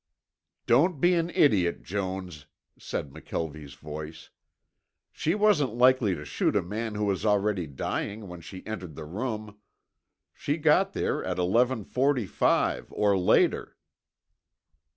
"Don't be an idiot, Jones," said McKelvie's voice. "She wasn't likely to shoot a man who was already dying when she entered the room. She got there at eleven forty five, or later."